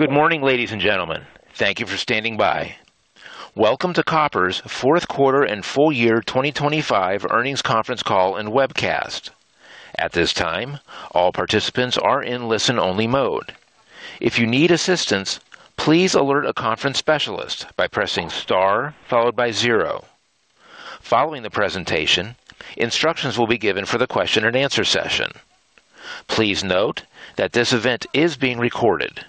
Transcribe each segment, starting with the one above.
Good morning, ladies and gentlemen. Thank you for standing by. Welcome to Koppers' Q4 and full year 2025 earnings conference call and webcast. At this time, all participants are in listen-only mode. If you need assistance, please alert a conference specialist by pressing star followed by zero. Following the presentation, instructions will be given for the Q&A session. Please note that this event is being recorded.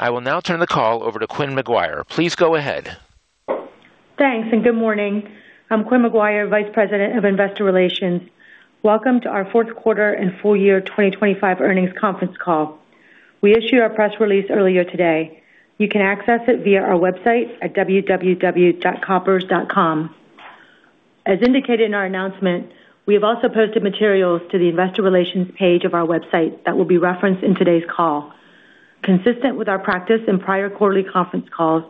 I will now turn the call over to Quynh McGuire. Please go ahead. Thanks. Good morning. I'm Quynh McGuire, Vice President of Investor Relations. Welcome to our Q4 and full year 2025 earnings conference call. We issued our press release earlier today. You can access it via our website at www.koppers.com. As indicated in our announcement, we have also posted materials to the investor relations page of our website that will be referenced in today's call. Consistent with our practice in prior quarterly conference calls,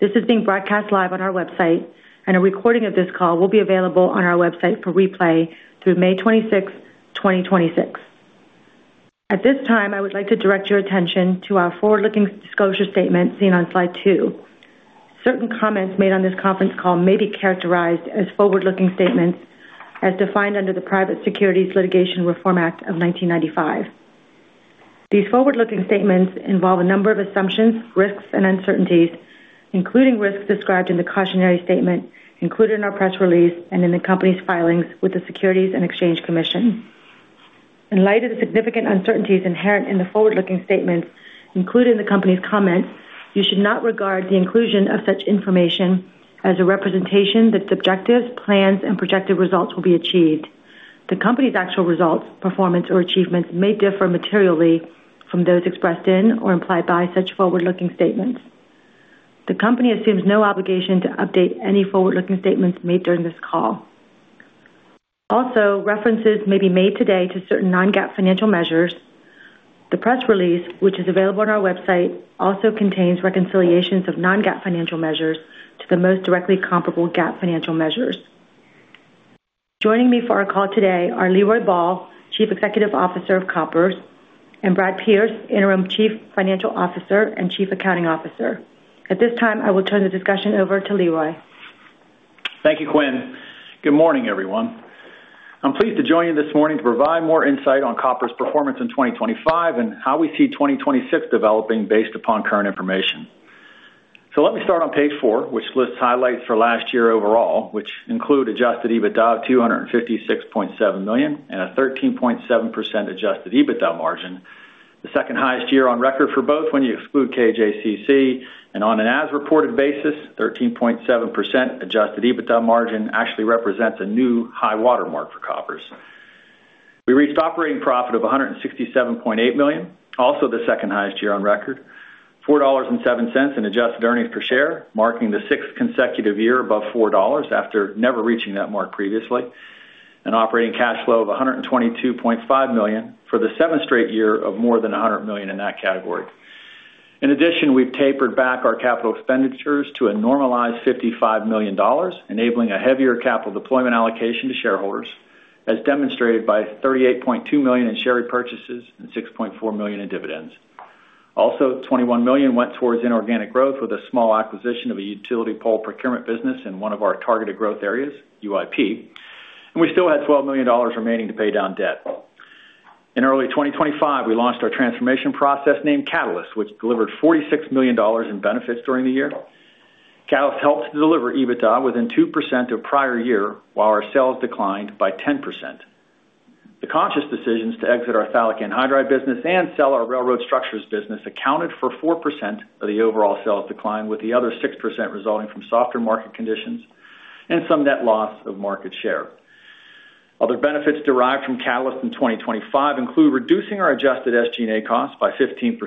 this is being broadcast live on our website. A recording of this call will be available on our website for replay through May 26th, 2026. At this time, I would like to direct your attention to our forward-looking disclosure statement seen on slide 2. Certain comments made on this conference call may be characterized as forward-looking statements as defined under the Private Securities Litigation Reform Act of 1995. These forward-looking statements involve a number of assumptions, risks, and uncertainties, including risks described in the cautionary statement included in our press release and in the company's filings with the Securities and Exchange Commission. In light of the significant uncertainties inherent in the forward-looking statements included in the company's comments, you should not regard the inclusion of such information as a representation that its objectives, plans, and projected results will be achieved. The company's actual results, performance, or achievements may differ materially from those expressed in or implied by such forward-looking statements. The company assumes no obligation to update any forward-looking statements made during this call. Also, references may be made today to certain non-GAAP financial measures. The press release, which is available on our website, also contains reconciliations of non-GAAP financial measures to the most directly comparable GAAP financial measures. Joining me for our call today are Leroy Ball, Chief Executive Officer of Koppers, and Brad Pearce, Interim Chief Financial Officer and Chief Accounting Officer. At this time, I will turn the discussion over to Leroy. Thank you, Quynh. Good morning, everyone. I'm pleased to join you this morning to provide more insight on Koppers' performance in 2025 and how we see 2026 developing based upon current information. Let me start on page 4, which lists highlights for last year overall, which include adjusted EBITDA of $256.7 million and a 13.7% adjusted EBITDA margin, the second highest year on record for both when you exclude KJCC, and on an as-reported basis, 13.7% adjusted EBITDA margin actually represents a new high watermark for Koppers. We reached operating profit of $167.8 million, also the second highest year on record, $4.07 in adjusted earnings per share, marking the sixth consecutive year above $4 after never reaching that mark previously, an operating cash flow of $122.5 million for the seventh straight year of more than $100 million in that category. In addition, we've tapered back our capital expenditures to a normalized $55 million, enabling a heavier capital deployment allocation to shareholders, as demonstrated by $38.2 million in share repurchases and $6.4 million in dividends. $21 million went towards inorganic growth, with a small acquisition of a utility pole procurement business in one of our targeted growth areas, UIP, and we still had $12 million remaining to pay down debt. In early 2025, we launched our transformation process named Catalyst, which delivered $46 million in benefits during the year. Catalyst helped to deliver EBITDA within 2% of prior year, while our sales declined by 10%. The conscious decisions to exit our phthalic anhydride business and sell our railroad structures business accounted for 4% of the overall sales decline, with the other 6% resulting from softer market conditions and some net loss of market share. Other benefits derived from Catalyst in 2025 include reducing our adjusted SG&A costs by 15%,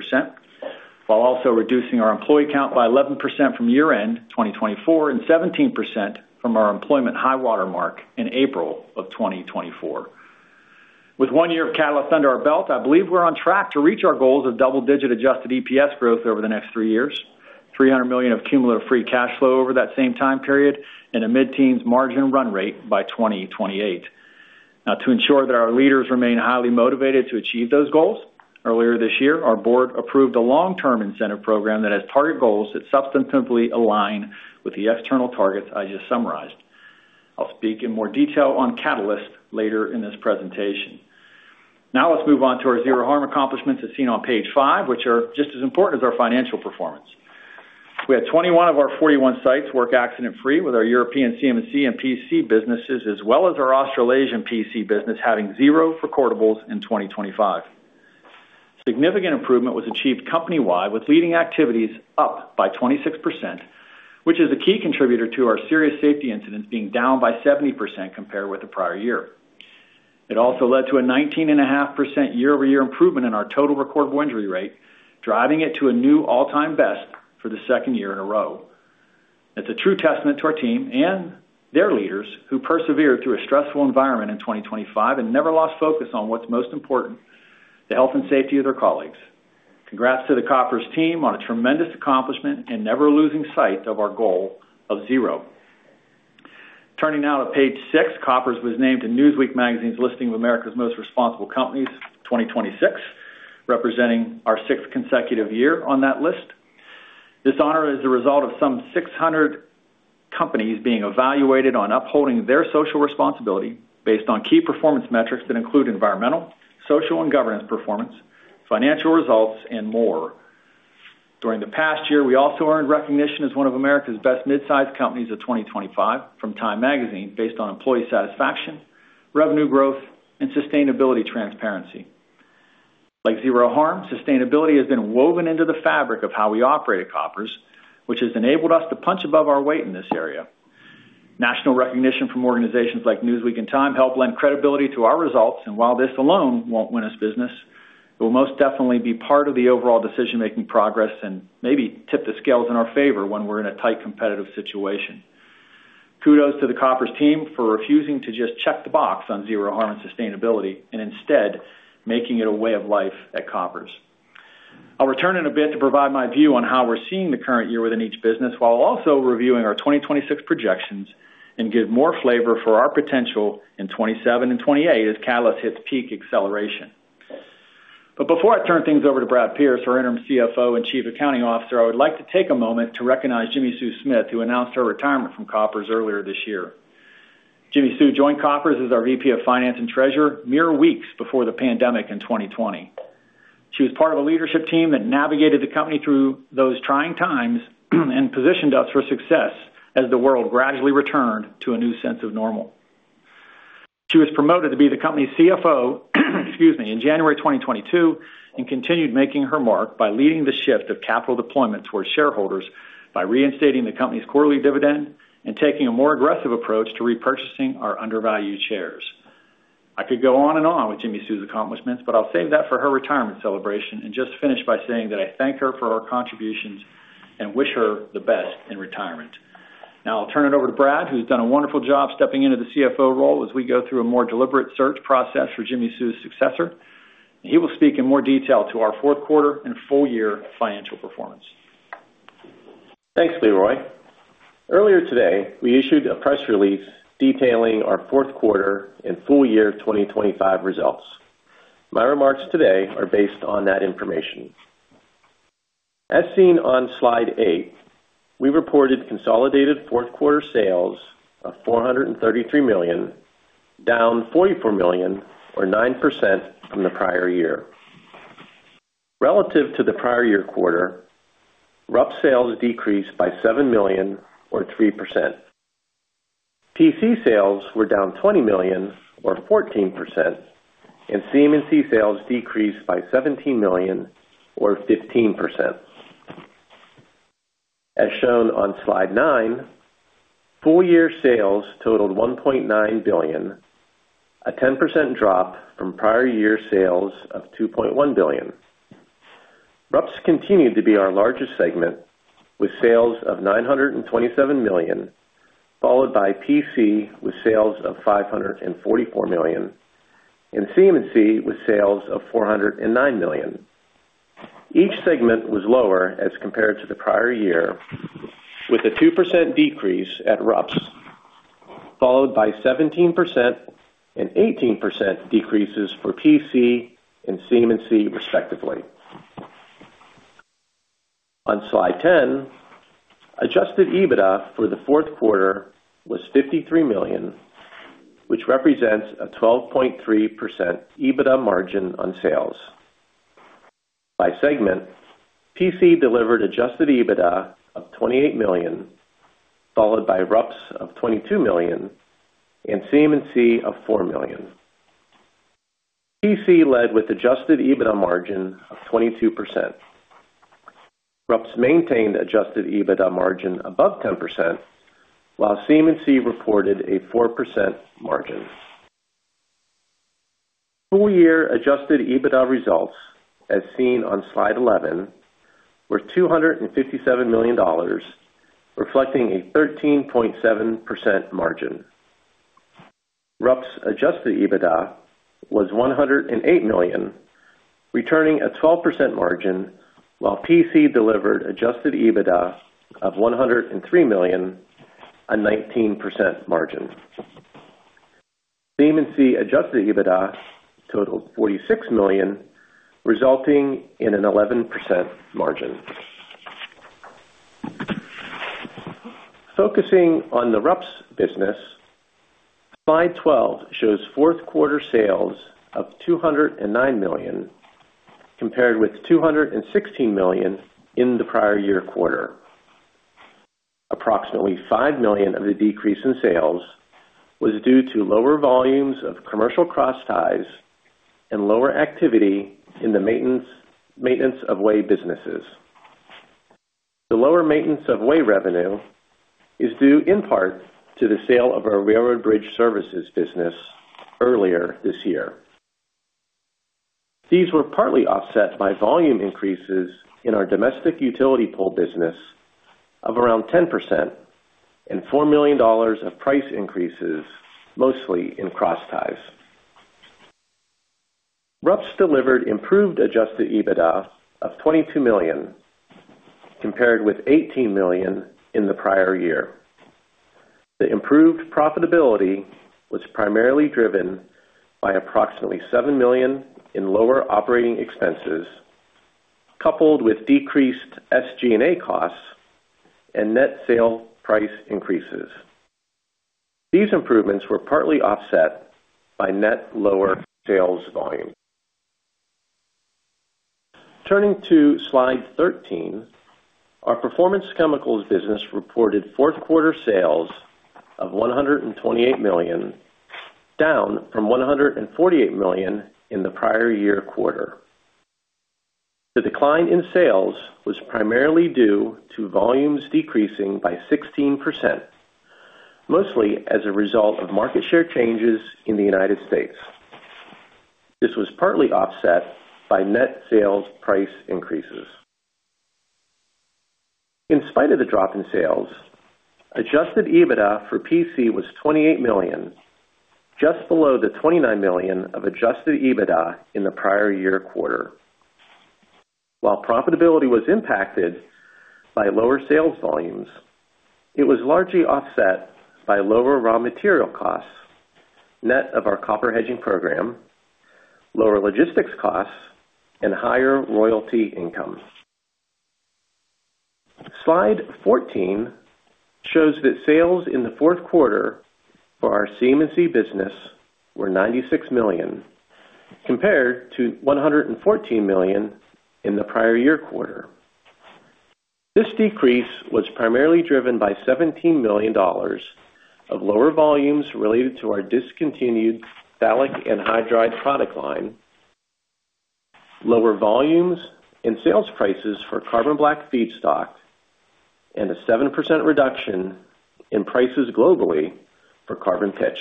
while also reducing our employee count by 11% from year-end 2024, and 17% from our employment high water mark in April 2024. With one year of Catalyst under our belt, I believe we're on track to reach our goals of double-digit adjusted EPS growth over the next three years, $300 million of cumulative free cash flow over that same time period, and a mid-teens margin run rate by 2028. To ensure that our leaders remain highly motivated to achieve those goals, earlier this year, our board approved a long-term incentive program that has target goals that substantively align with the external targets I just summarized. I'll speak in more detail on Catalyst later in this presentation. Let's move on to our zero harm accomplishments, as seen on page five, which are just as important as our financial performance. We had 21 of our 41 sites work accident-free with our European CMMC and PC businesses, as well as our Australasian PC business, having zero recordables in 2025. Significant improvement was achieved company-wide, with leading activities up by 26%, which is a key contributor to our serious safety incidents being down by 70% compared with the prior year. It also led to a 19.5% year-over-year improvement in our total recordable injury rate, driving it to a new all-time best for the second year in a row. It's a true testament to our team and their leaders, who persevered through a stressful environment in 2025 and never lost focus on what's most important, the health and safety of their colleagues. Congrats to the Koppers team on a tremendous accomplishment and never losing sight of our goal of zero. Turning now to page six, Koppers was named in Newsweek magazine's listing of America's Most Responsible Companies 2026, representing our sixth consecutive year on that list. This honor is a result of some 600 companies being evaluated on upholding their social responsibility based on key performance metrics that include environmental, social, and governance performance, financial results, and more. During the past year, we also earned recognition as one of America's Best Mid-Sized Companies of 2025 from TIME Magazine, based on employee satisfaction, revenue growth, and sustainability transparency. Like zero harm, sustainability has been woven into the fabric of how we operate at Koppers, which has enabled us to punch above our weight in this area. National recognition from organizations like Newsweek and TIME help lend credibility to our results, and while this alone won't win us business, it will most definitely be part of the overall decision-making progress and maybe tip the scales in our favor when we're in a tight competitive situation. Kudos to the Koppers team for refusing to just check the box on zero harm and sustainability, and instead making it a way of life at Koppers. I'll return in a bit to provide my view on how we're seeing the current year within each business, while also reviewing our 2026 projections and give more flavor for our potential in 2027 and 2028 as Catalyst hits peak acceleration. Before I turn things over to Brad Pearce, our Interim Chief Financial Officer and Chief Accounting Officer, I would like to take a moment to recognize Jimmi Sue Smith, who announced her retirement from Koppers earlier this year. Jimmi Sue joined Koppers as our Vice President of Finance and Treasurer mere weeks before the pandemic in 2020. She was part of a leadership team that navigated the company through those trying times and positioned us for success as the world gradually returned to a new sense of normal. She was promoted to be the company's Chief Financial Officer, excuse me, in January 2022, and continued making her mark by leading the shift of capital deployment towards shareholders by reinstating the company's quarterly dividend and taking a more aggressive approach to repurchasing our undervalued shares. I could go on and on with Jimmi Sue's accomplishments. I'll save that for her retirement celebration and just finish by saying that I thank her for her contributions and wish her the best in retirement. Now, I'll turn it over to Brad, who's done a wonderful job stepping into the Chief Financial Officer role as we go through a more deliberate search process for Jimmi Sue's successor. He will speak in more detail to our Q4 and full year financial performance. Thanks, Leroy. Earlier today, we issued a press release detailing our Q4 and full year 2025 results. My remarks today are based on that information. As seen on slide 8, we reported consolidated Q4 sales of $433 million, down $44 million or 9% from the prior year. Relative to the prior year quarter, RUPS sales decreased by $7 million or 3%. PC sales were down $20 million or 14%, and CMMC sales decreased by $17 million or 15%. As shown on slide 9, full year sales totaled $1.9 billion, a 10% drop from prior year sales of $2.1 billion. RUPS continued to be our largest segment, with sales of $927 million, followed by PC with sales of $544 million, and CMMC with sales of $409 million. Each segment was lower as compared to the prior year, with a 2% decrease at RUPS, followed by 17% and 18% decreases for PC and CMMC, respectively. On Slide 10, adjusted EBITDA for the Q4 was $53 million, which represents a 12.3% EBITDA margin on sales. By segment, PC delivered adjusted EBITDA of $28 million, followed by RUPS of $22 million and CMMC of $4 million. PC led with adjusted EBITDA margin of 22%. RUPS maintained adjusted EBITDA margin above 10%, while CMMC reported a 4% margin. Full year adjusted EBITDA results, as seen on Slide 11, were $257 million, reflecting a 13.7% margin. RUPS adjusted EBITDA was $108 million, returning a 12% margin, while PC delivered adjusted EBITDA of $103 million, a 19% margin. CMMC adjusted EBITDA totaled $46 million, resulting in an 11% margin. Focusing on the RUPS business, slide 12 shows Q4 sales of $209 million, compared with $216 million in the prior year quarter. Approximately $5 million of the decrease in sales was due to lower volumes of commercial crossties and lower activity in the maintenance of way businesses. The lower maintenance of way revenue is due in part to the sale of our railroad bridge services business earlier this year. These were partly offset by volume increases in our domestic utility pole business of around 10% and $4 million of price increases, mostly in crossties. RUPS delivered improved adjusted EBITDA of $22 million, compared with $18 million in the prior year. The improved profitability was primarily driven by approximately $7 million in lower operating expenses, coupled with decreased SG&A costs and net sale price increases. These improvements were partly offset by net lower sales volume. Turning to Slide 13, our Performance Chemicals business reported Q4 sales of $128 million, down from $148 million in the prior year quarter. The decline in sales was primarily due to volumes decreasing by 16%, mostly as a result of market share changes in the United States. This was partly offset by net sales price increases. In spite of the drop in sales, adjusted EBITDA for PC was $28 million, just below the $29 million of adjusted EBITDA in the prior year quarter. While profitability was impacted by lower sales volumes, it was largely offset by lower raw material costs, net of our Koppers hedging program, lower logistics costs, and higher royalty income. Slide 14 shows that sales in the Q4 for our CMMC business were $96 million, compared to $114 million in the prior year quarter. This decrease was primarily driven by $17 million of lower volumes related to our discontinued phthalic anhydride product line, lower volumes and sales prices for carbon black feedstock, and a 7% reduction in prices globally for carbon pitch.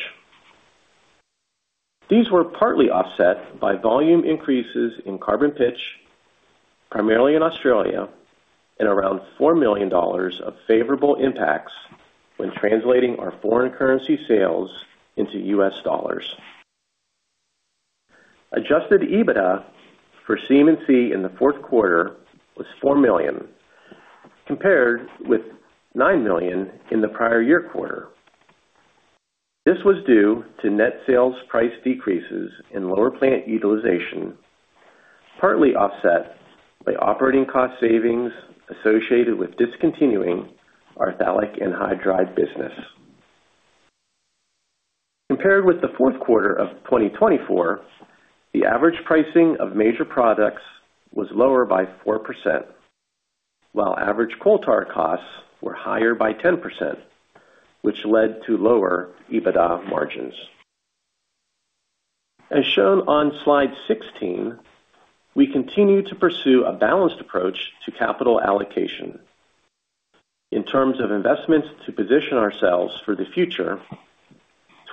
These were partly offset by volume increases in carbon pitch, primarily in Australia, and around $4 million of favorable impacts when translating our foreign currency sales into U.S. dollars. Adjusted EBITDA for CMMC in the Q4 was $4 million, compared with $9 million in the prior year quarter. This was due to net sales price decreases and lower plant utilization, partly offset by operating cost savings associated with discontinuing our phthalic anhydride business. Compared with the Q4 of 2024, the average pricing of major products was lower by 4%, while average coal tar costs were higher by 10%, which led to lower EBITDA margins. As shown on Slide 16, we continue to pursue a balanced approach to capital allocation. In terms of investments to position ourselves for the future,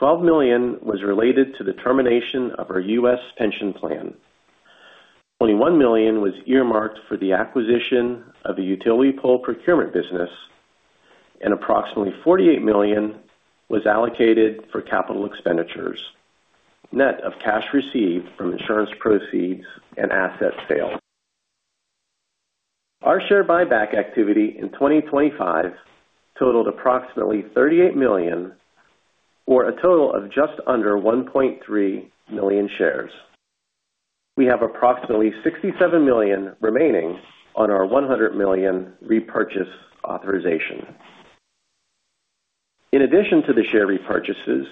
$12 million was related to the termination of our U.S. pension plan. $21 million was earmarked for the acquisition of the utility pole procurement business, and approximately $48 million was allocated for capital expenditures, net of cash received from insurance proceeds and asset sales. Our share buyback activity in 2025 totaled approximately $38 million, or a total of just under 1.3 million shares. We have approximately $67 million remaining on our $100 million repurchase authorization. In addition to the share repurchases,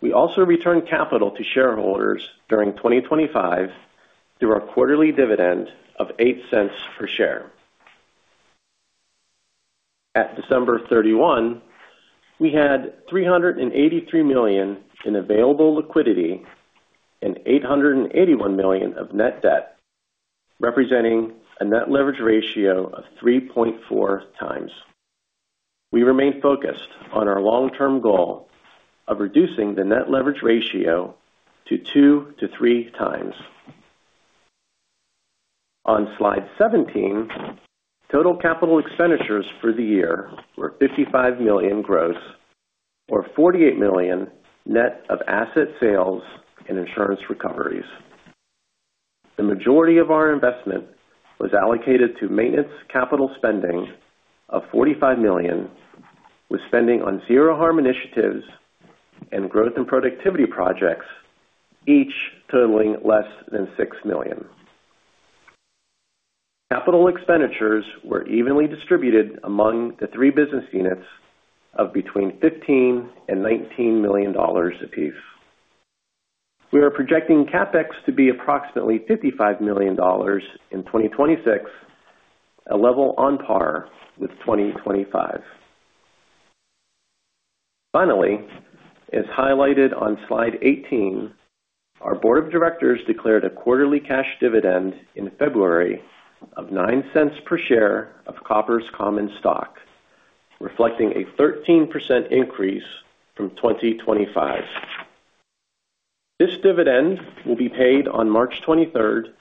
we also returned capital to shareholders during 2025 through our quarterly dividend of $0.08 per share. At December 31, we had $383 million in available liquidity and $881 million of net debt, representing a net leverage ratio of 3.4x. We remain focused on our long-term goal of reducing the net leverage ratio to 2x to 3x. On Slide 17, total capital expenditures for the year were $55 million gross, or $48 million net of asset sales and insurance recoveries. The majority of our investment was allocated to maintenance capital spending of $45 million, with spending on zero harm initiatives and growth and productivity projects, each totaling less than $6 million. Capital expenditures were evenly distributed among the three business units of between $15 million and $19 million apiece. We are projecting CapEx to be approximately $55 million in 2026, a level on par with 2025. Finally, as highlighted on Slide 18, our board of directors declared a quarterly cash dividend in February of $0.09 per share of Koppers common stock, reflecting a 13% increase from 2025. This dividend will be paid on March 23rd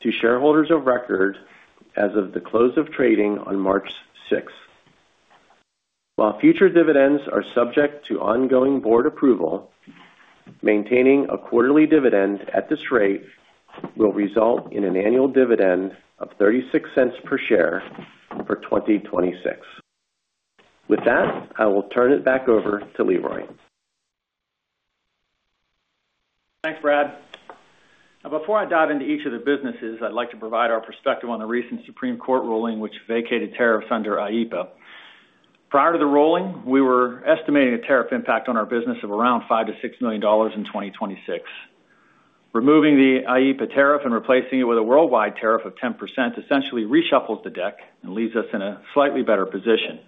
to shareholders of record as of the close of trading on March 6th. While future dividends are subject to ongoing board approval, maintaining a quarterly dividend at this rate will result in an annual dividend of $0.36 per share for 2026. With that, I will turn it back over to Leroy. Thanks, Brad. Before I dive into each of the businesses, I'd like to provide our perspective on the recent Supreme Court ruling, which vacated tariffs under IEEPA. Prior to the ruling, we were estimating a tariff impact on our business of around $5 million-$6 million in 2026. Removing the IEEPA tariff and replacing it with a worldwide tariff of 10% essentially reshuffles the deck and leaves us in a slightly better position.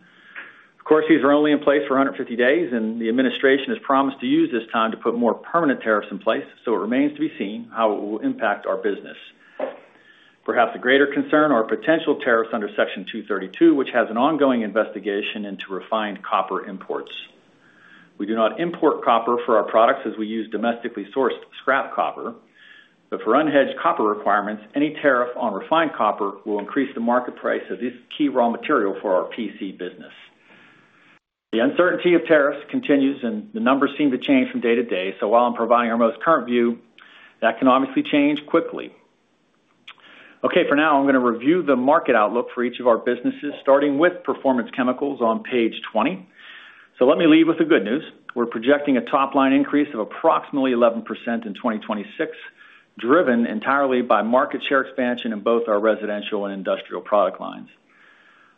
Of course, these are only in place for 150 days, the administration has promised to use this time to put more permanent tariffs in place, it remains to be seen how it will impact our business. Perhaps a greater concern are potential tariffs under Section 232, which has an ongoing investigation into refined copper imports. We do not import copper for our products, as we use domestically sourced scrap copper, for unhedged copper requirements, any tariff on refined copper will increase the market price of this key raw material for our PC business. The uncertainty of tariffs continues. The numbers seem to change from day to day. While I'm providing our most current view, that can obviously change quickly. For now, I'm gonna review the market outlook for each of our businesses, starting with Performance Chemicals on page 20. Let me lead with the good news. We're projecting a top-line increase of approximately 11% in 2026, driven entirely by market share expansion in both our residential and industrial product lines.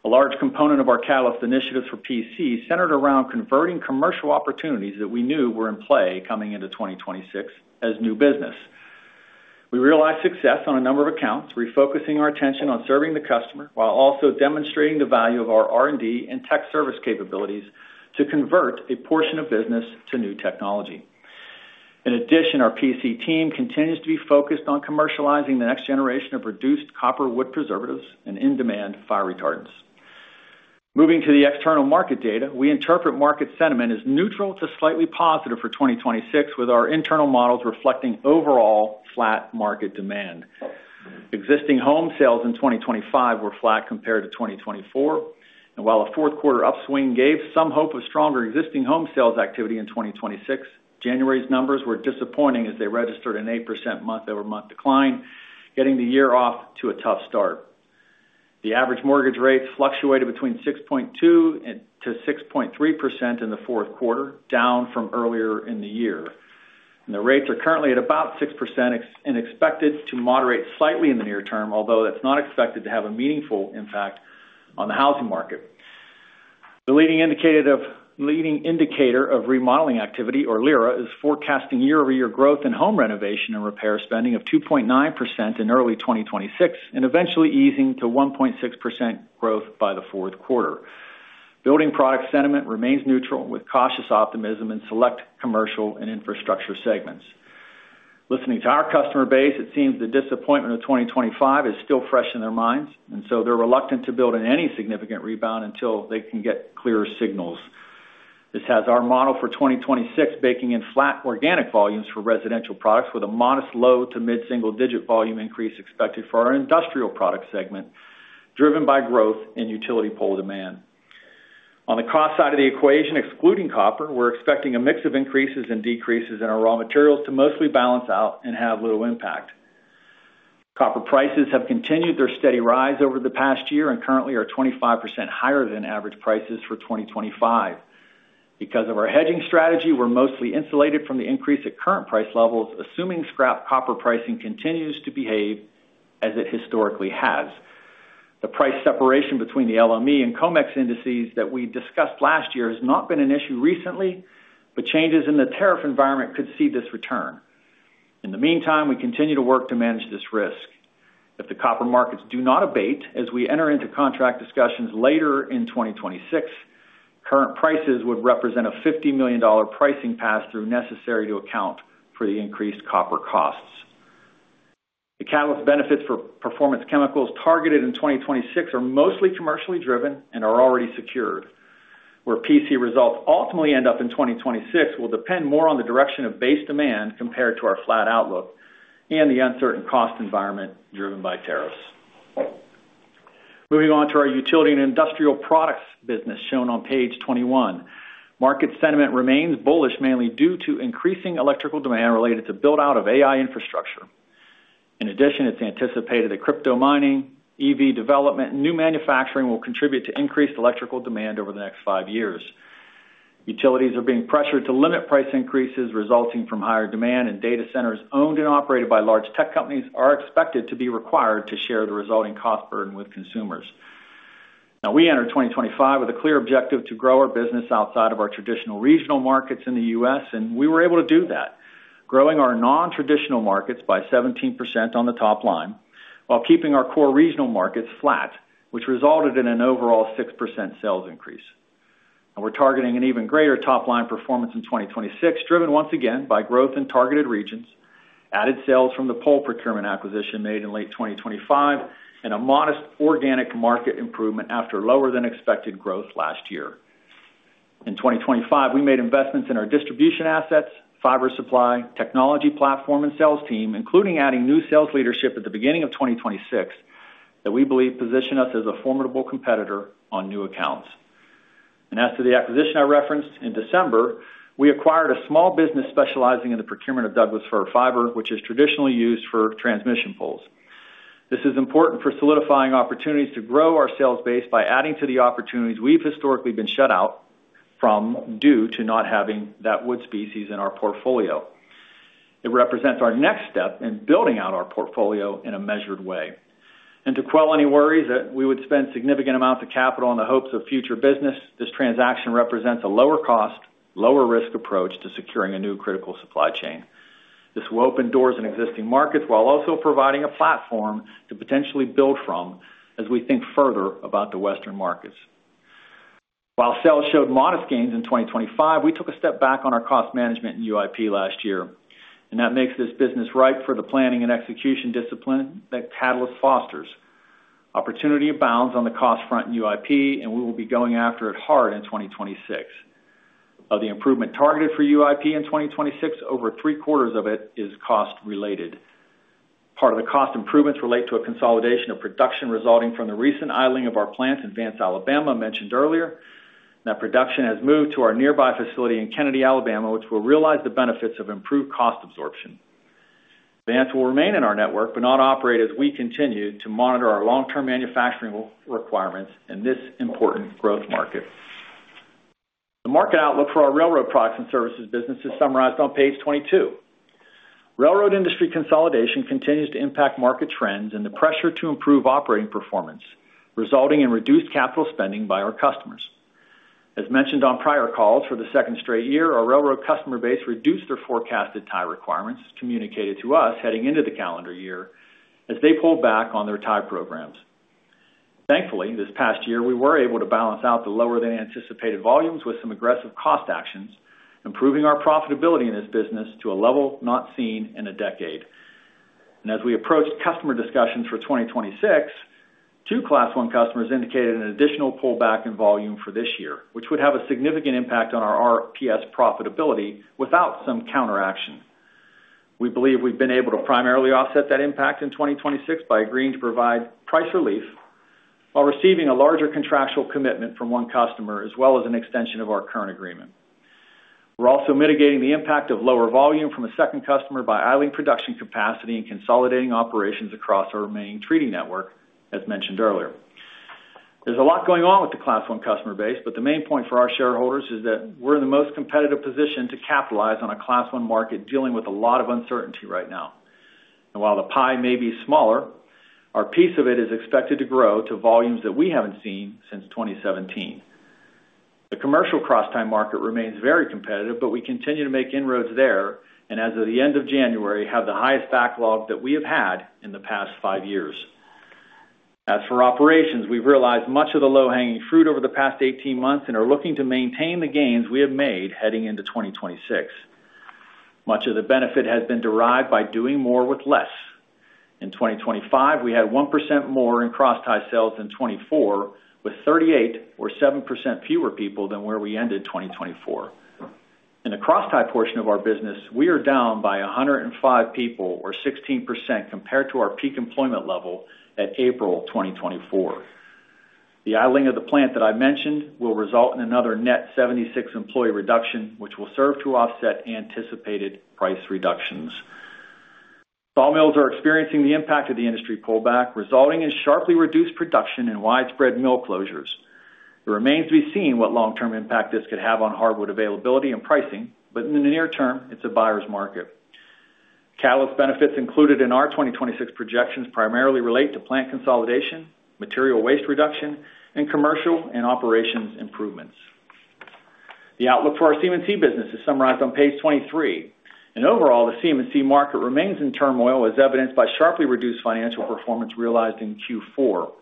A large component of our Catalyst initiatives for PC centered around converting commercial opportunities that we knew were in play coming into 2026 as new business. We realized success on a number of accounts, refocusing our attention on serving the customer, while also demonstrating the value of our R&D and tech service capabilities to convert a portion of business to new technology. In addition, our PC team continues to be focused on commercializing the next generation of reduced copper wood preservatives and in-demand fire retardants. Moving to the external market data, we interpret market sentiment as neutral to slightly positive for 2026, with our internal models reflecting overall flat market demand. Existing home sales in 2025 were flat compared to 2024, and while a Q4 upswing gave some hope of stronger existing home sales activity in 2026, January's numbers were disappointing as they registered an 8% month-over-month decline, getting the year off to a tough start. The average mortgage rates fluctuated between 6.2%-6.3% in the Q4, down from earlier in the year. The rates are currently at about 6%, and expected to moderate slightly in the near term, although that's not expected to have a meaningful impact on the housing market. The leading indicator of remodeling activity, or LIRA, is forecasting year-over-year growth in home renovation and repair spending of 2.9% in early 2026, and eventually easing to 1.6% growth by the Q4. Building product sentiment remains neutral, with cautious optimism in select commercial and infrastructure segments. Listening to our customer base, it seems the disappointment of 2025 is still fresh in their minds, and so they're reluctant to build in any significant rebound until they can get clearer signals. This has our model for 2026 baking in flat organic volumes for residential products, with a modest low to mid-single-digit volume increase expected for our industrial product segment, driven by growth in utility pole demand. On the cost side of the equation, excluding copper, we're expecting a mix of increases and decreases in our raw materials to mostly balance out and have little impact. Copper prices have continued their steady rise over the past year and currently are 25% higher than average prices for 2025. Because of our hedging strategy, we're mostly insulated from the increase at current price levels, assuming scrap copper pricing continues to behave as it historically has. The price separation between the LME and COMEX indices that we discussed last year has not been an issue recently, but changes in the tariff environment could see this return. In the meantime, we continue to work to manage this risk. If the copper markets do not abate as we enter into contract discussions later in 2026, current prices would represent a $50 million pricing pass-through necessary to account for the increased copper costs. The Catalyst benefits for Performance Chemicals targeted in 2026 are mostly commercially driven and are already secured, where PC results ultimately end up in 2026 will depend more on the direction of base demand compared to our flat outlook and the uncertain cost environment driven by tariffs. Moving on to our utility and industrial products business, shown on page 21. Market sentiment remains bullish, mainly due to increasing electrical demand related to build out of AI infrastructure. In addition, it's anticipated that crypto mining, EV development, and new manufacturing will contribute to increased electrical demand over the next five years. Utilities are being pressured to limit price increases resulting from higher demand, and data centers owned and operated by large tech companies are expected to be required to share the resulting cost burden with consumers. Now, we entered 2025 with a clear objective to grow our business outside of our traditional regional markets in the U.S., and we were able to do that, growing our non-traditional markets by 17% on the top line while keeping our core regional markets flat, which resulted in an overall 6% sales increase. We're targeting an even greater top-line performance in 2026, driven once again by growth in targeted regions, added sales from the pole procurement acquisition made in late 2025, and a modest organic market improvement after lower than expected growth last year. In 2025, we made investments in our distribution assets, fiber supply, technology platform, and sales team, including adding new sales leadership at the beginning of 2026 that we believe position us as a formidable competitor on new accounts. As to the acquisition I referenced, in December, we acquired a small business specializing in the procurement of Douglas fir fiber, which is traditionally used for transmission poles. This is important for solidifying opportunities to grow our sales base by adding to the opportunities we've historically been shut out from, due to not having that wood species in our portfolio. It represents our next step in building out our portfolio in a measured way. To quell any worries that we would spend significant amounts of capital in the hopes of future business, this transaction represents a lower cost, lower risk approach to securing a new critical supply chain. This will open doors in existing markets while also providing a platform to potentially build from as we think further about the Western markets. While sales showed modest gains in 2025, we took a step back on our cost management in UIP last year. That makes this business ripe for the planning and execution discipline that Catalyst fosters. Opportunity abounds on the cost front in UIP. We will be going after it hard in 2026. Of the improvement targeted for UIP in 2026, over three-quarters of it is cost related. Part of the cost improvements relate to a consolidation of production resulting from the recent idling of our plant in Vance, Alabama, mentioned earlier. That production has moved to our nearby facility in Kennedy, Alabama, which will realize the benefits of improved cost absorption. Vance will remain in our network, but not operate as we continue to monitor our long-term manufacturing requirements in this important growth market. The market outlook for our railroad products and services business is summarized on page 22. Railroad industry consolidation continues to impact market trends and the pressure to improve operating performance, resulting in reduced capital spending by our customers. As mentioned on prior calls, for the second straight year, our railroad customer base reduced their forecasted tie requirements communicated to us heading into the calendar year, as they pulled back on their tie programs. Thankfully, this past year, we were able to balance out the lower than anticipated volumes with some aggressive cost actions, improving our profitability in this business to a level not seen in a decade. As we approach customer discussions for 2026, two Class I customers indicated an additional pullback in volume for this year, which would have a significant impact on our RPS profitability without some counteraction. We believe we've been able to primarily offset that impact in 2026 by agreeing to provide price relief while receiving a larger contractual commitment from one customer, as well as an extension of our current agreement. We're also mitigating the impact of lower volume from a second customer by idling production capacity and consolidating operations across our remaining treating network, as mentioned earlier. There's a lot going on with the Class I customer base, but the main point for our shareholders is that we're in the most competitive position to capitalize on a Class I market dealing with a lot of uncertainty right now. While the pie may be smaller, our piece of it is expected to grow to volumes that we haven't seen since 2017. The commercial crosstie market remains very competitive, but we continue to make inroads there, and as of the end of January, have the highest backlog that we have had in the past five years. As for operations, we've realized much of the low-hanging fruit over the past 18 months and are looking to maintain the gains we have made heading into 2026. Much of the benefit has been derived by doing more with less. In 2025, we had 1% more in crosstie sales than 2024, with 38 or 7% fewer people than where we ended 2024. In the crosstie portion of our business, we are down by 105 people, or 16%, compared to our peak employment level at April 2024. The idling of the plant that I mentioned will result in another net 76 employee reduction, which will serve to offset anticipated price reductions. Sawmills are experiencing the impact of the industry pullback, resulting in sharply reduced production and widespread mill closures. It remains to be seen what long-term impact this could have on hardwood availability and pricing, but in the near term, it's a buyer's market. Catalyst benefits included in our 2026 projections primarily relate to plant consolidation, material waste reduction, and commercial and operations improvements. The outlook for our CMMC business is summarized on page 23. Overall, the CMMC market remains in turmoil, as evidenced by sharply reduced financial performance realized in Q4.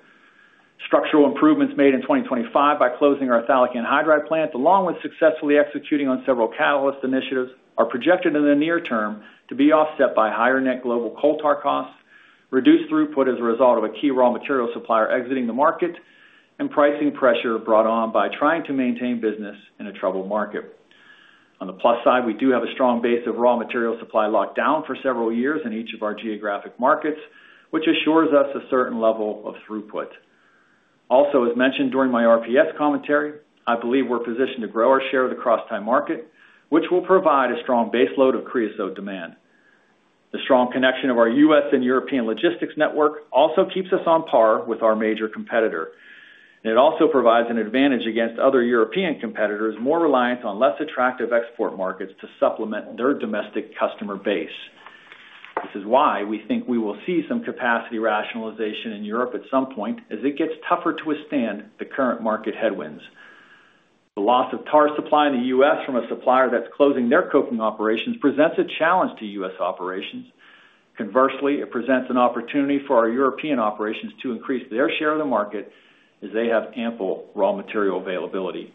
Structural improvements made in 2025 by closing our phthalic anhydride plant, along with successfully executing on several Catalyst initiatives, are projected in the near term to be offset by higher net global coal tar costs, reduced throughput as a result of a key raw material supplier exiting the market, and pricing pressure brought on by trying to maintain business in a troubled market. On the plus side, we do have a strong base of raw material supply locked down for several years in each of our geographic markets, which assures us a certain level of throughput. Also, as mentioned during my RPS commentary, I believe we're positioned to grow our share of the crosstie market, which will provide a strong baseload of creosote demand. The strong connection of our U.S. and European logistics network also keeps us on par with our major competitor. It also provides an advantage against other European competitors, more reliant on less attractive export markets to supplement their domestic customer base. We think we will see some capacity rationalization in Europe at some point as it gets tougher to withstand the current market headwinds. The loss of tar supply in the U.S. from a supplier that's closing their coking operations presents a challenge to U.S. operations. It presents an opportunity for our European operations to increase their share of the market as they have ample raw material availability.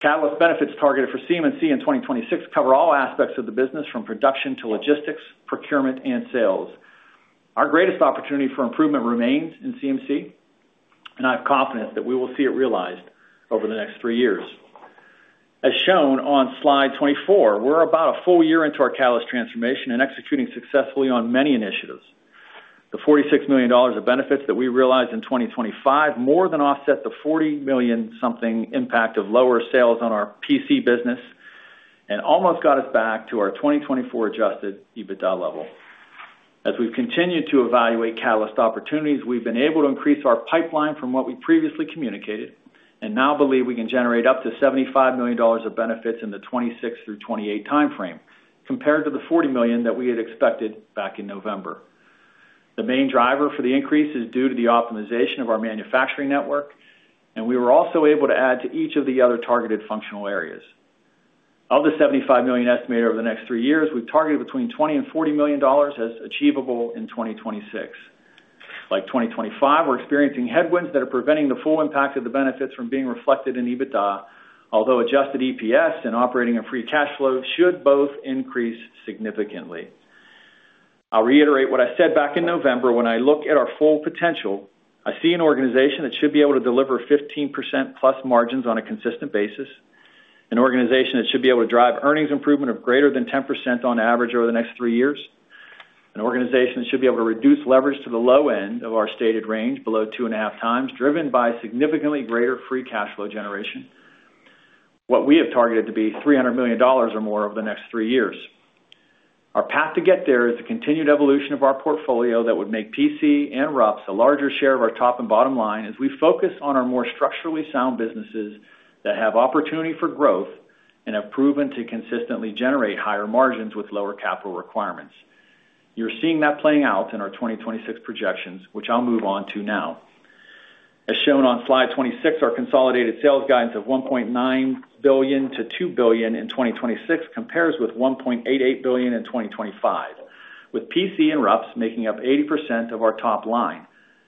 Catalyst benefits targeted for CMMC in 2026 cover all aspects of the business, from production to logistics, procurement, and sales. Our greatest opportunity for improvement remains in CMMC, I have confidence that we will see it realized over the next three years. As shown on slide 24, we're about a full year into our Catalyst transformation and executing successfully on many initiatives. The $46 million of benefits that we realized in 2025 more than offset the $40 million something impact of lower sales on our PC business, and almost got us back to our 2024 adjusted EBITDA level. As we've continued to evaluate Catalyst opportunities, we've been able to increase our pipeline from what we previously communicated, and now believe we can generate up to $75 million of benefits in the 2026 through 2028 time frame, compared to the $40 million that we had expected back in November. The main driver for the increase is due to the optimization of our manufacturing network, and we were also able to add to each of the other targeted functional areas. Of the $75 million estimated over the next three years, we've targeted between $20 million and $40 million as achievable in 2026. Like 2025, we're experiencing headwinds that are preventing the full impact of the benefits from being reflected in EBITDA, although adjusted EPS and operating and free cash flow should both increase significantly. I'll reiterate what I said back in November. When I look at our full potential, I see an organization that should be able to deliver 15%+ margins on a consistent basis, an organization that should be able to drive earnings improvement of greater than 10% on average over the next three years. An organization that should be able to reduce leverage to the low end of our stated range, below 2.5x, driven by significantly greater free cash flow generation. What we have targeted to be $300 million or more over the next three years. Our path to get there is the continued evolution of our portfolio that would make PC and RUPS a larger share of our top and bottom line as we focus on our more structurally sound businesses that have opportunity for growth and have proven to consistently generate higher margins with lower capital requirements. You're seeing that playing out in our 2026 projections, which I'll move on to now. As shown on slide 26, our consolidated sales guidance of $1.9 billion-$2 billion in 2026 compares with $1.88 billion in 2025, with PC and RUPS making up 80% of our top line,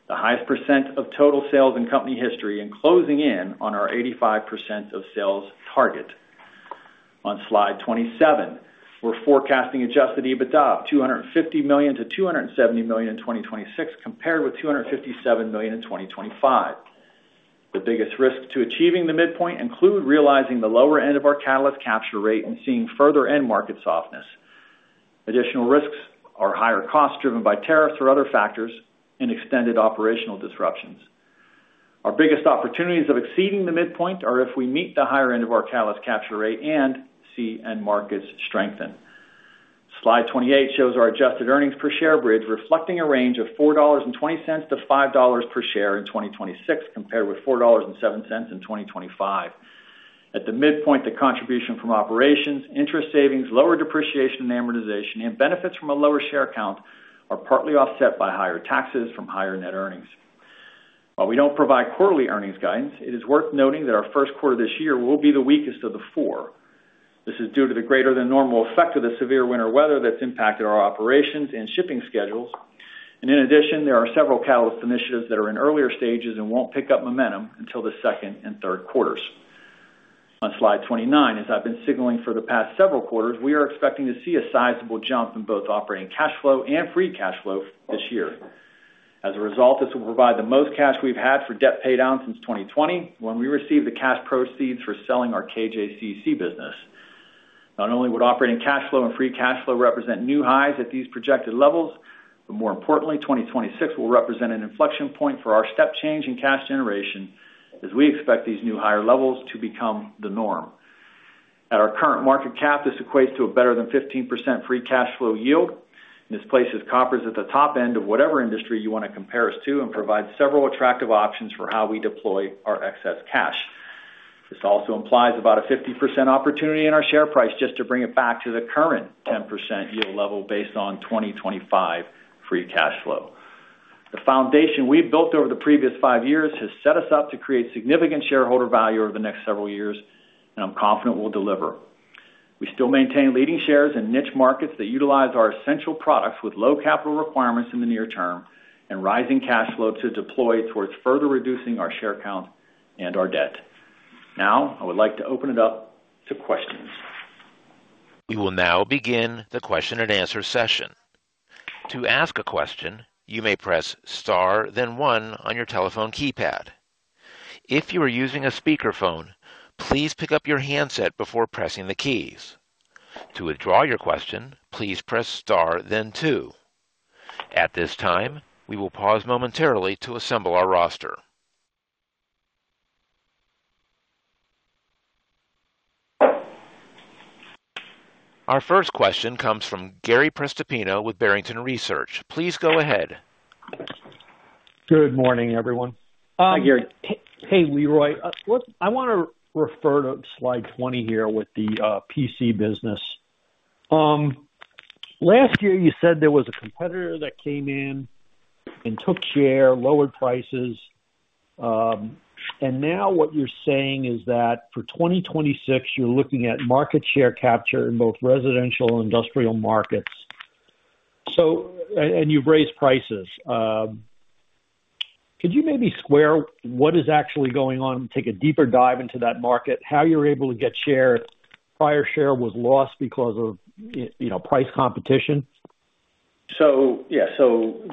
the highest percent of total sales in company history, and closing in on our 85% of sales target. On slide 27, we're forecasting adjusted EBITDA of $250 million-$270 million in 2026, compared with $257 million in 2025. The biggest risk to achieving the midpoint include realizing the lower end of our Catalyst capture rate and seeing further end market softness. Additional risks are higher costs, driven by tariffs or other factors, and extended operational disruptions. Our biggest opportunities of exceeding the midpoint are if we meet the higher end of our Catalyst capture rate and see end markets strengthen. Slide 28 shows our adjusted earnings per share bridge, reflecting a range of $4.20 to $5.00 per share in 2026, compared with $4.07 in 2025. At the midpoint, the contribution from operations, interest savings, lower depreciation and amortization, and benefits from a lower share count are partly offset by higher taxes from higher net earnings. While we don't provide quarterly earnings guidance, it is worth noting that our Q1 this year will be the weakest of the four. This is due to the greater than normal effect of the severe winter weather that's impacted our operations and shipping schedules. In addition, there are several Catalyst initiatives that are in earlier stages and won't pick up momentum until the second and Q3s. On slide 29, as I've been signaling for the past several quarters, we are expecting to see a sizable jump in both operating cash flow and free cash flow this year. As a result, this will provide the most cash we've had for debt paydown since 2020, when we received the cash proceeds for selling our KJCC business. Not only would operating cash flow and free cash flow represent new highs at these projected levels, but more importantly, 2026 will represent an inflection point for our step change in cash generation, as we expect these new higher levels to become the norm. At our current market cap, this equates to a better than 15% free cash flow yield. This places Koppers at the top end of whatever industry you want to compare us to and provide several attractive options for how we deploy our excess cash. This also implies about a 50% opportunity in our share price just to bring it back to the current 10% yield level based on 2025 free cash flow. The foundation we've built over the previous five years has set us up to create significant shareholder value over the next several years. I'm confident we'll deliver. We still maintain leading shares in niche markets that utilize our essential products with low capital requirements in the near term and rising cash flows to deploy towards further reducing our share count and our debt. I would like to open it up to questions. We will now begin the Q&A session. To ask a question, you may press star, then one on your telephone keypad. If you are using a speakerphone, please pick up your handset before pressing the keys. To withdraw your question, please press star then two. At this time, we will pause momentarily to assemble our roster. Our first question comes from Gary Prestopino with Barrington Research. Please go ahead. Good morning, everyone. Hi, Gary. Hey, Leroy. I want to refer to slide 20 here with the PC business. Last year, you said there was a competitor that came in and took share, lowered prices, now what you're saying is that for 2026, you're looking at market share capture in both residential and industrial markets. You've raised prices. Could you maybe square what is actually going on and take a deeper dive into that market, how you're able to get share? Prior share was lost because of, you know, price competition. Yeah, so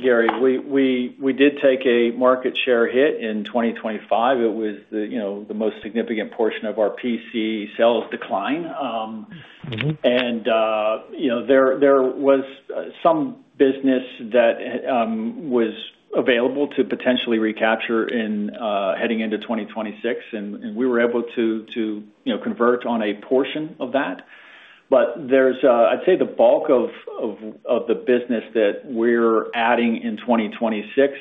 Gary, we did take a market share hit in 2025. It was the, you know, the most significant portion of our PC sales decline. You know, there was some business that was available to potentially recapture in heading into 2026, and we were able to, you know, convert on a portion of that. There's, I'd say the bulk of the business that we're adding in 2026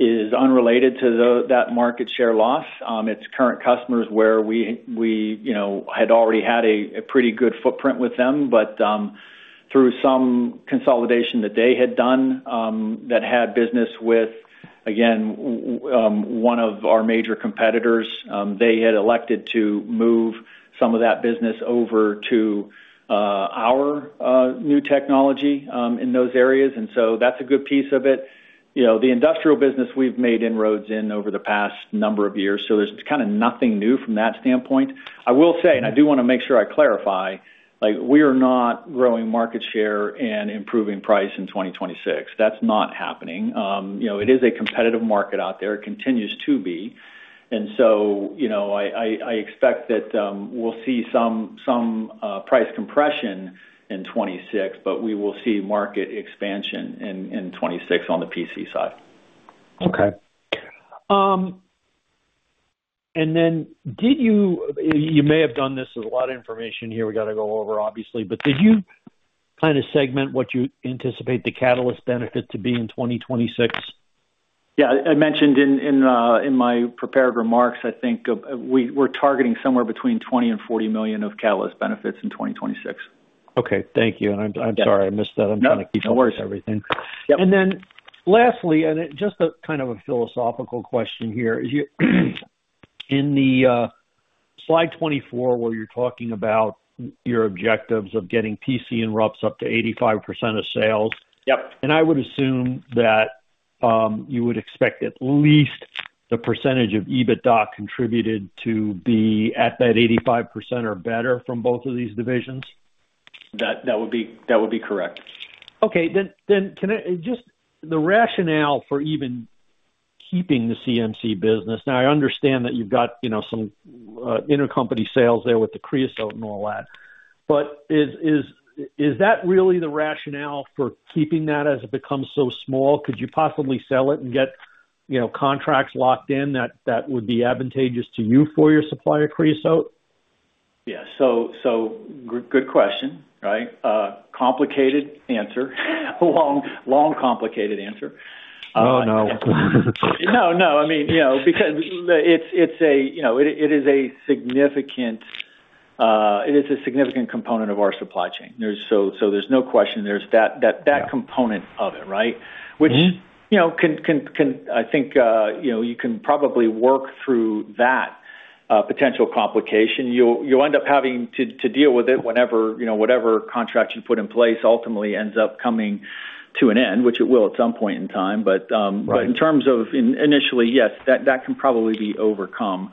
is unrelated to that market share loss. It's current customers where we, you know, had already had a pretty good footprint with them, but through some consolidation that they had done, that had business with, again, one of our major competitors, they had elected to move some of that business over to our new technology in those areas. That's a good piece of it. You know, the industrial business we've made inroads in over the past number of years, so there's kind of nothing new from that standpoint. I will say, and I do wanna make sure I clarify, like, we are not growing market share and improving price in 2026. That's not happening. You know, it is a competitive market out there. It continues to be. You know, I expect that we'll see some price compression in 2026, but we will see market expansion in 2026 on the PC side. Okay. You may have done this. There's a lot of information here we gotta go over, obviously. Did you kind of segment what you anticipate the Catalyst benefit to be in 2026? Yeah, I mentioned in my prepared remarks, I think, We're targeting somewhere between $20 million and $40 million of Catalyst benefits in 2026. Okay, thank you. Yeah. I'm sorry, I missed that. No worries. I'm trying to keep up with everything. Yep. Lastly, and it just a kind of a philosophical question here. You, in the slide 24, where you're talking about your objectives of getting PC and RUPS up to 85% of sales. Yep. I would assume that you would expect at least the percentage of EBITDA contributed to be at that 85% or better from both of these divisions? That would be correct. Okay. Can I just—the rationale for even keeping the CMMC business, now I understand that you've got, you know, some intercompany sales there with the creosote and all that, but is that really the rationale for keeping that as it becomes so small? Could you possibly sell it and get, you know, contracts locked in, that would be advantageous to you for your supplier creosote? Yeah. Good question, right? Complicated answer. Long complicated answer. Oh, no. No. I mean, you know, because it's a, you know, it is a significant, it is a significant component of our supply chain. There's no question there's that. Yeah. That component of it, right? Which, you know, can, I think, you know, you can probably work through that potential complication. You'll end up having to deal with it whenever, you know, whatever contract you put in place ultimately ends up coming to an end, which it will at some point in time. Right. In terms of in initially, yes, that can probably be overcome.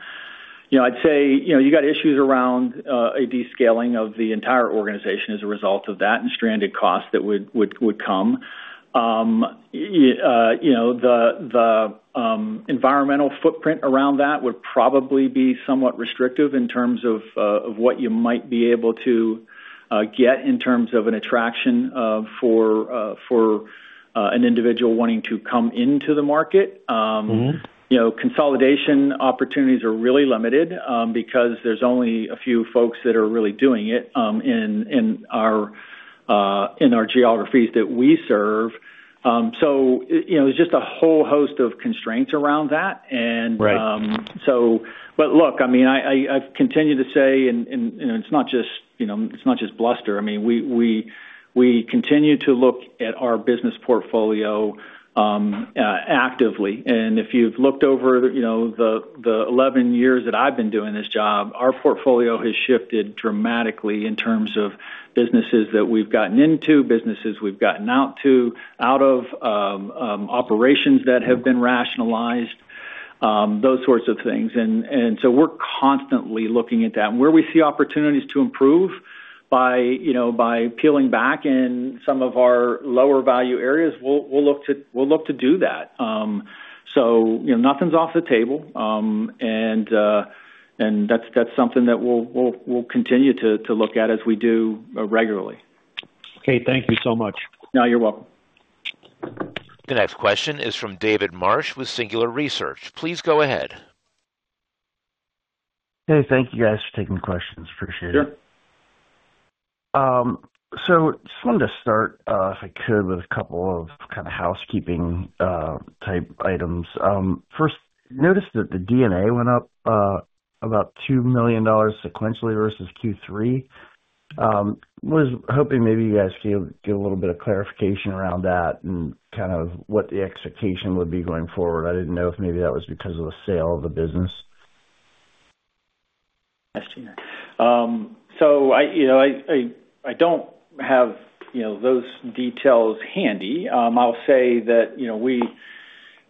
You know, I'd say, you know, you got issues around a descaling of the entire organization as a result of that, and stranded costs that would come. You know, the environmental footprint around that would probably be somewhat restrictive in terms of what you might be able to get in terms of an attraction for an individual wanting to come into the market. You know, consolidation opportunities are really limited, because there's only a few folks that are really doing it, in our geographies that we serve. You know, there's just a whole host of constraints around that. Right. Look, I mean, I've continued to say, and, you know, it's not just, you know, it's not just bluster. I mean, we continue to look at our business portfolio actively. If you've looked over, you know, the 11 years that I've been doing this job, our portfolio has shifted dramatically in terms of businesses that we've gotten into, businesses we've gotten out of, operations that have been rationalized, those sorts of things. We're constantly looking at that. Where we see opportunities to improve by, you know, by peeling back in some of our lower value areas, we'll look to do that. You know, nothing's off the table, and that's something that we'll continue to look at as we do regularly. Okay. Thank you so much. No, you're welcome. The next question is from David Marsh with Singular Research. Please go ahead. Hey, thank you guys for taking the questions. Appreciate it. Yep. Just wanted to start, if I could, with a couple of kind of housekeeping type items. First, noticed that the D&A went up about $2 million sequentially versus Q3. Was hoping maybe you guys could give a little bit of clarification around that and kind of what the execution would be going forward. I didn't know if maybe that was because of the sale of the business. I, you know, I, I don't have, you know, those details handy. I'll say that, you know,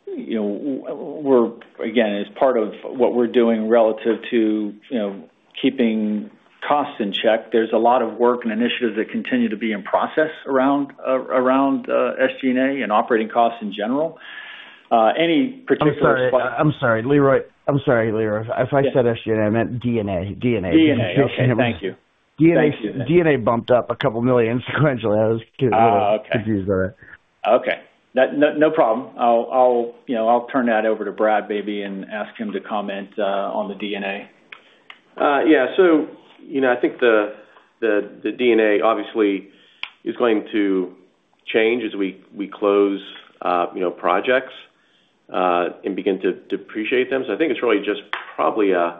you know, we're, again, as part of what we're doing relative to, you know, keeping costs in check, there's a lot of work and initiatives that continue to be in process around, SG&A and operating costs in general. Any particular. I'm sorry, Leroy. I'm sorry, Leroy. If I said SG&A, I meant D&A. D&A. Okay, thank you. D&A bumped up a couple million dollars sequentially. I was getting a little confused there. Oh, okay. Okay, no problem. I'll, you know, I'll turn that over to Brad, maybe, and ask him to comment on the D&A. Yeah, you know, I think the D&A obviously is going to change as we close, you know, projects and begin to depreciate them. I think it's really just probably a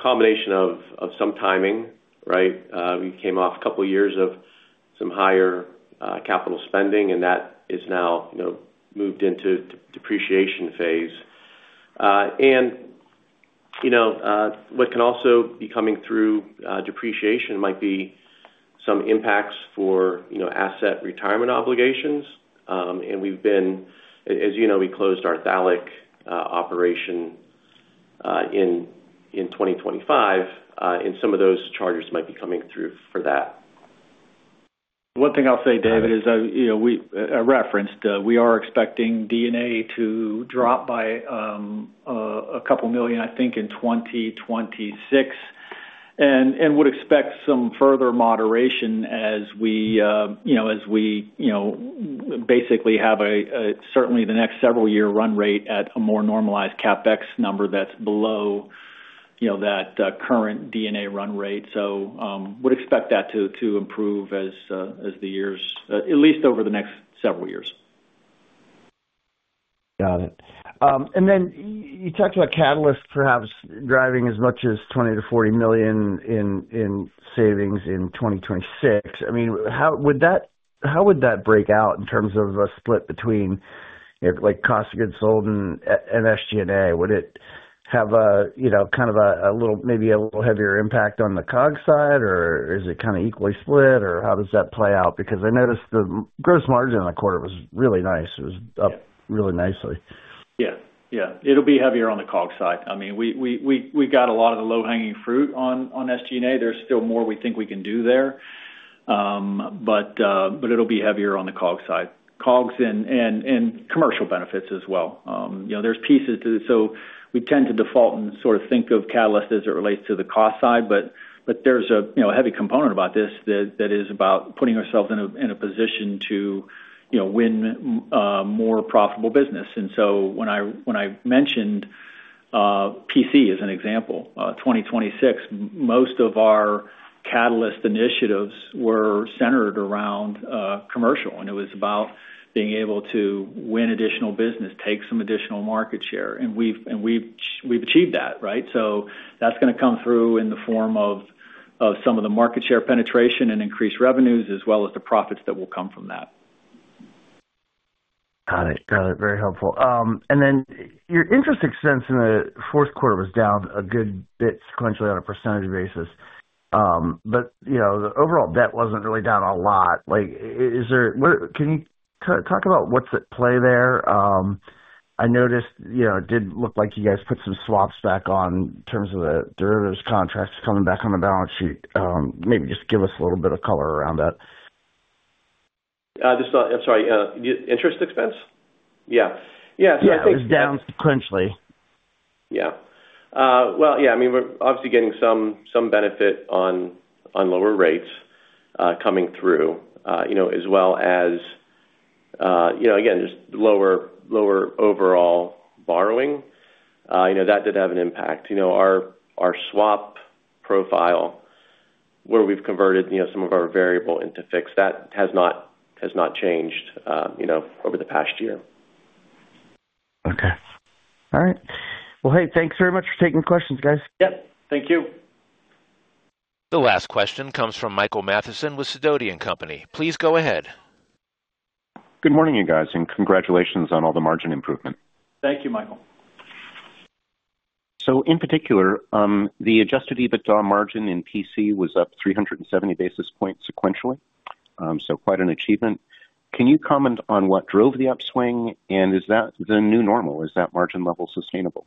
combination of some timing, right? We came off a couple of years of some higher capital spending, and that is now, you know, moved into depreciation phase. What can also be coming through depreciation might be some impacts for, you know, asset retirement obligations. As you know, we closed our phthalic operation in 2025, and some of those charges might be coming through for that. One thing I'll say, David, is, you know, I referenced, we are expecting D&A to drop by a couple million, I think, in 2026, and would expect some further moderation as we, you know, basically have a certainly the next several-year run rate at a more normalized CapEx number that's below, you know, that current D&A run rate. Would expect that to improve as the years, at least over the next several years. Got it. You talked about Catalyst perhaps driving as much as $20 million-$40 million in savings in 2026. I mean, how would that break out in terms of a split between, like, COGS and SG&A? Would it have a, you know, kind of a little, maybe a little heavier impact on the COGS side, or is it kind of equally split, or how does that play out? Because I noticed the gross margin in the quarter was really nice. It was up really nicely. Yeah. It'll be heavier on the COGS side. I mean, we got a lot of the low-hanging fruit on SG&A. There's still more we think we can do there. But it'll be heavier on the COGS side. COGS and commercial benefits as well. You know, there's pieces to it, so we tend to default and sort of think of Catalyst as it relates to the cost side, but there's a, you know, a heavy component about this that is about putting ourselves in a position to, you know, win more profitable business. When I mentioned PC as an example, 2026, most of our Catalyst initiatives were centered around commercial, it was about being able to win additional business, take some additional market share, and we've achieved that, right. That's gonna come through in the form of some of the market share penetration and increased revenues, as well as the profits that will come from that. Got it. Very helpful. Your interest expense in the Q4 was down a good bit sequentially on a percentage basis. You know, the overall debt wasn't really down a lot. Like, is there what, can you talk about what's at play there? I noticed, you know, it did look like you guys put some swaps back on in terms of the derivatives contracts coming back on the balance sheet. Maybe just give us a little bit of color around that. Just, sorry, interest expense? Yeah. Yeah, it was down sequentially. Yeah, well, yeah, I mean, we're obviously getting some benefit on lower rates coming through, you know, as well as, you know, again, just lower overall borrowing. You know, that did have an impact. You know, our swap profile, where we've converted, you know, some of our variable into fixed, that has not changed, you know, over the past year. Okay. All right. Well, hey, thanks very much for taking the questions, guys. Yep, thank you. The last question comes from Michael Mathison with Sidoti & Company. Please go ahead. Good morning, you guys, and congratulations on all the margin improvement. Thank you, Michael. In particular, the adjusted EBITDA margin in PC was up 370 basis points sequentially, so quite an achievement. Can you comment on what drove the upswing, and is that the new normal? Is that margin level sustainable?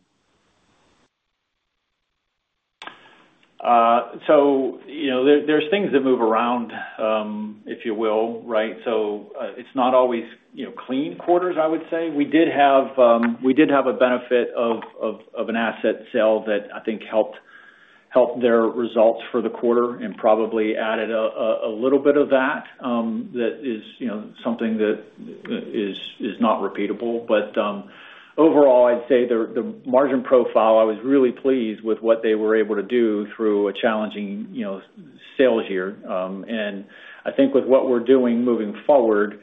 You know, there's things that move around, if you will, right? It's not always, you know, clean quarters, I would say. We did have a benefit of an asset sale that I think helped their results for the quarter and probably added a little bit of that. That is, you know, something that is not repeatable. overall, I'd say the margin profile, I was really pleased with what they were able to do through a challenging, you know, sales year. I think with what we're doing moving forward,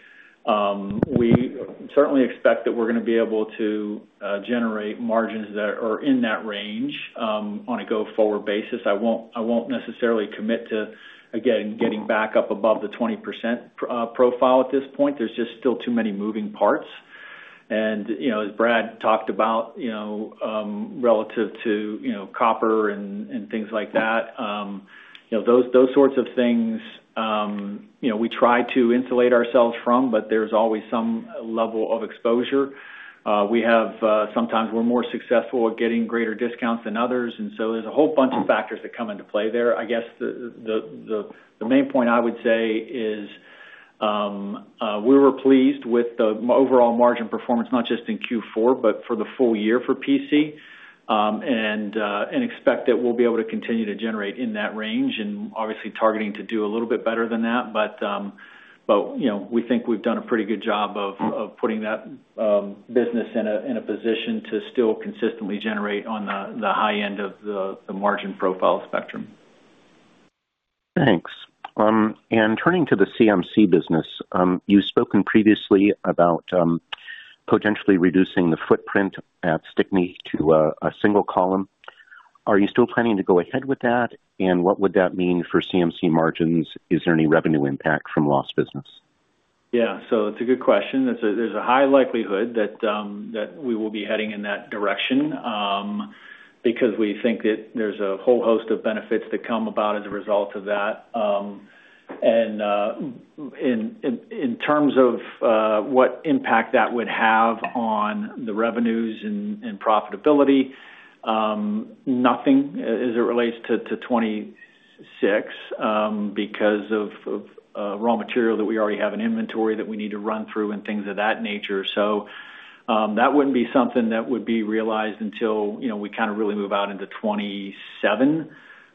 we certainly expect that we're gonna be able to generate margins that are in that range on a go-forward basis. I won't necessarily commit to, again, getting back up above the 20% profile at this point. There's just still too many moving parts. You know, as Brad talked about, you know, relative to, you know, copper and things like that, you know, those sorts of things, you know, we try to insulate ourselves from, but there's always some level of exposure. We have, sometimes we're more successful at getting greater discounts than others, there's a whole bunch of factors that come into play there. I guess the main point I would say is, we were pleased with the overall margin performance, not just in Q4, but for the full year for PC, and expect that we'll be able to continue to generate in that range, and obviously targeting to do a little bit better than that. You know, we think we've done a pretty good job of putting that business in a position to still consistently generate on the high end of the margin profile spectrum. Thanks. Turning to the CMMC business, you've spoken previously about potentially reducing the footprint at Stickney to a single column. Are you still planning to go ahead with that? What would that mean for CMMC margins? Is there any revenue impact from lost business? Yeah, it's a good question. There's a high likelihood that we will be heading in that direction because we think that there's a whole host of benefits that come about as a result of that. In terms of what impact that would have on the revenues and profitability, nothing, as it relates to 2026, because of raw material that we already have in inventory that we need to run through and things of that nature. That wouldn't be something that would be realized until, you know, we kind of really move out into 2027,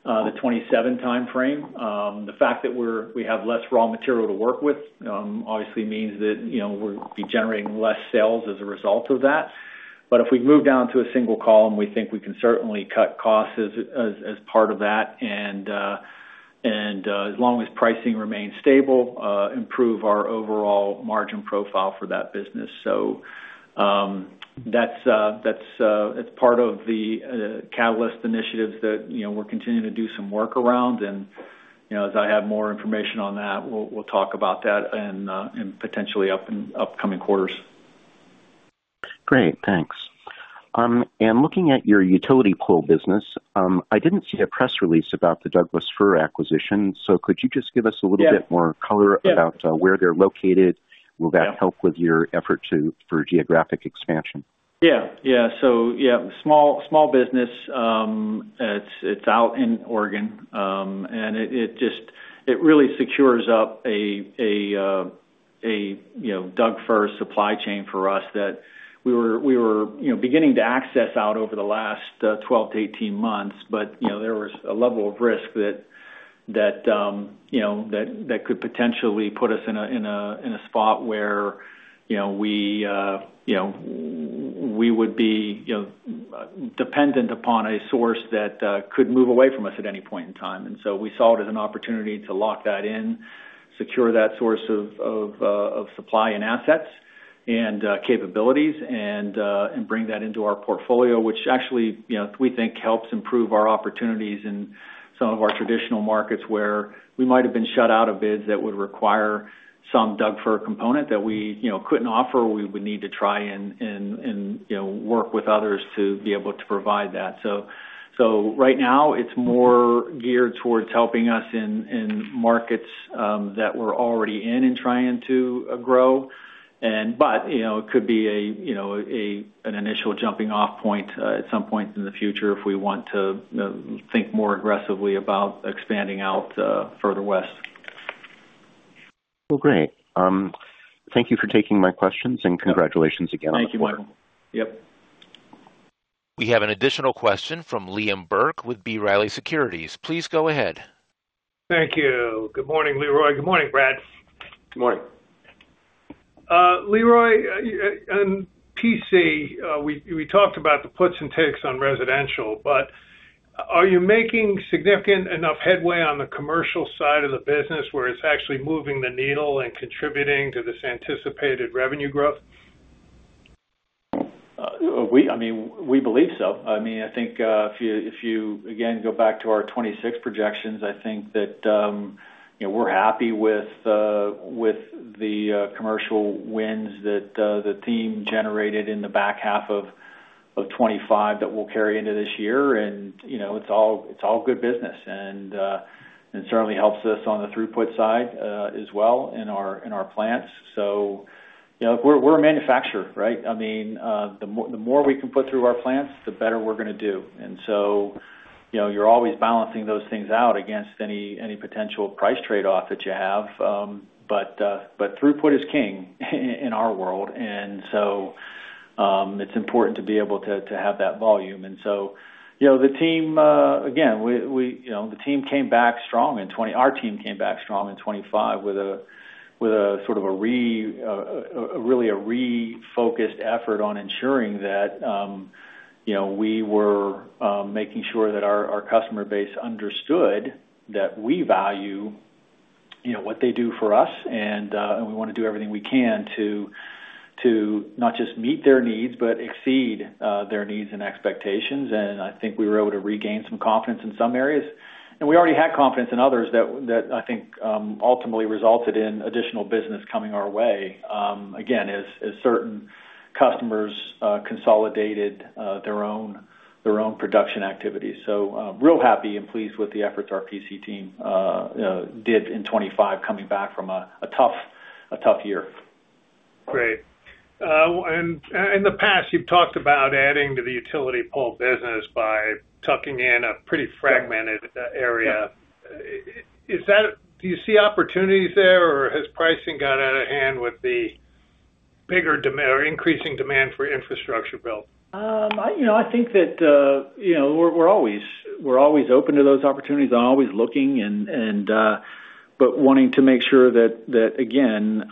the 2027 timeframe. The fact that we have less raw material to work with obviously means that, you know, we'll be generating less sales as a result of that. If we move down to a single column, we think we can certainly cut costs as part of that, and, as long as pricing remains stable, improve our overall margin profile for that business. That's, it's part of the Catalyst initiatives that, you know, we're continuing to do some work around. You know, as I have more information on that, we'll talk about that and potentially up in upcoming quarters. Great, thanks. Looking at your utility pole business, I didn't see a press release about the Douglas fir acquisition. Could you just give us a little— Yeah.... more color about— Yeah.... where they're located? Yeah. Will that help with your effort to, for geographic expansion? Yeah, small business. It's out in Oregon, and it just, it really secures up a, you know, Douglas fir supply chain for us that we were, you know, beginning to access out over the last, 12-18 months. You know, there was a level of risk that, you know, that could potentially put us in a spot where, you know, we, you know, we would be, you know, dependent upon a source that, could move away from us at any point in time. We saw it as an opportunity to lock that in, secure that source of supply and assets, and capabilities, and bring that into our portfolio, which actually, you know, we think helps improve our opportunities in some of our traditional markets, where we might have been shut out of bids that would require some Douglas fir component that we, you know, couldn't offer, or we would need to try and, you know, work with others to be able to provide that. Right now, it's more geared towards helping us in markets that we're already in and trying to grow. You know, it could be a, you know, a, an initial jumping off point, at some point in the future if we want to think more aggressively about expanding out further west. Well, great. Thank you for taking my questions. Congratulations again. Thank you, Michael. Yep. We have an additional question from Liam Burke with B. Riley Securities. Please go ahead. Thank you. Good morning, Leroy. Good morning, Brad. Good morning. Leroy, on PC, we talked about the puts and takes on residential, but are you making significant enough headway on the commercial side of the business, where it's actually moving the needle and contributing to this anticipated revenue growth? I mean, we believe so. I mean, I think, if you again go back to our 2026 projections, I think that, you know, we're happy with the commercial wins that the team generated in the back half of 2025, that will carry into this year. You know, it's all good business, and it certainly helps us on the throughput side as well in our plants. You know, we're a manufacturer, right? I mean, the more we can put through our plants, the better we're gonna do. You know, you're always balancing those things out against any potential price trade-off that you have. Throughput is king in our world, and so, it's important to be able to have that volume. The team again, our team came back strong in 2025 with a sort of a really a refocused effort on ensuring that we were making sure that our customer base understood that we value what they do for us, and we want to do everything we can to not just meet their needs, but exceed their needs and expectations. I think we were able to regain some confidence in some areas, and we already had confidence in others that I think, ultimately resulted in additional business coming our way, again, as certain customers consolidated their own production activities. Real happy and pleased with the efforts our PC team did in 2025, coming back from a tough year. Great. In the past, you've talked about adding to the utility pole business by tucking in a pretty fragmented area. Yep. Do you see opportunities there, or has pricing got out of hand with the bigger demand or increasing demand for infrastructure build? I, you know, I think that, you know, we're always open to those opportunities and always looking and, but wanting to make sure that again,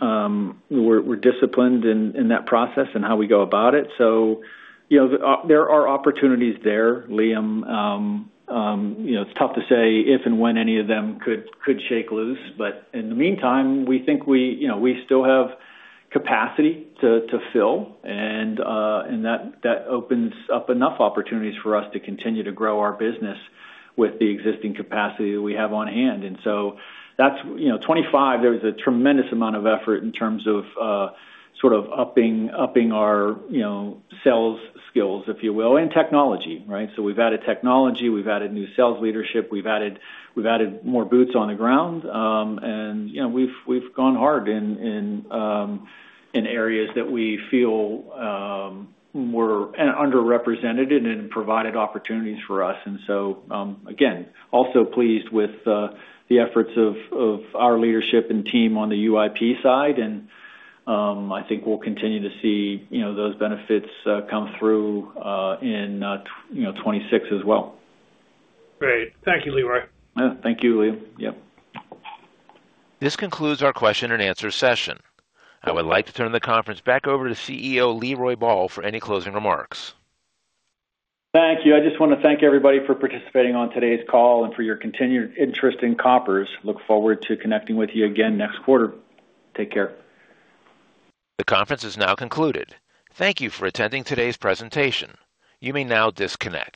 we're disciplined in that process and how we go about it. You know, there are opportunities there, Liam. You know, it's tough to say if and when any of them could shake loose, but in the meantime, we think we, you know, we still have capacity to fill, and that opens up enough opportunities for us to continue to grow our business with the existing capacity that we have on hand. That's, you know, 2025, there was a tremendous amount of effort in terms of sort of upping our, you know, sales skills, if you will, and technology, right? We've added technology, we've added new sales leadership, we've added more boots on the ground. You know, we've gone hard in areas that we feel were underrepresented and provided opportunities for us. Again, also pleased with the efforts of our leadership and team on the UIP side, and I think we'll continue to see, you know, those benefits come through in, you know, 2026 as well. Great. Thank you, Leroy. Yeah. Thank you, Liam. Yep. This concludes our Q&A session. I would like to turn the conference back over to Chief Executive Officer Leroy Ball for any closing remarks. Thank you. I just wanna thank everybody for participating on today's call and for your continued interest in Koppers. Look forward to connecting with you again next quarter. Take care. The conference is now concluded. Thank You for attending today's presentation. You may now disconnect.